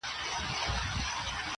خوله يا د ولي ده، يا د ناولي.